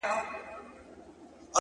هغه له منځه ولاړ سي ـ